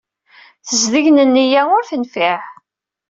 Tezdeg n nneyya ur tenfiɛ.